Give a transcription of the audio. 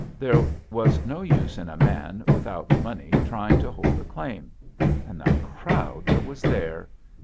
There was no use in a man without money trying to hold a claim. And the crowd that was there!